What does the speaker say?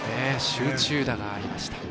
集中打がありました。